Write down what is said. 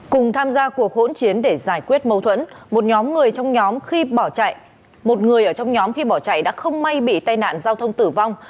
cùng tham gia cuộc hỗn chiến để giải quyết mâu thuẫn một người ở trong nhóm khi bỏ chạy đã không may bị tai nạn giao thông tử vong